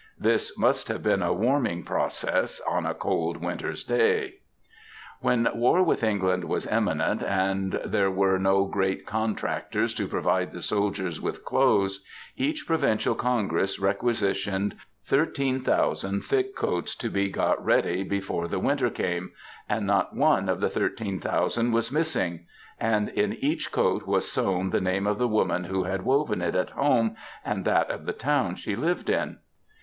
This must have been a warming process on a cold winter''s day. When war with England was imminent, and there were no great contractors to provide the soldiers with clothes, each provincial congress requisitioned 18,000 thick coats to be got ready before the winter came ; and not one of the 13,000 was missing ; and in each coat was sewn the name of the woman who had woven it at home and that of the town she lived in.